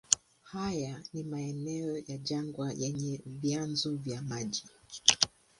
Haya ni maeneo ya jangwa yenye vyanzo vya maji.